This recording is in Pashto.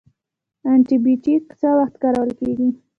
انټي بیوټیک څه وخت کارول کیږي؟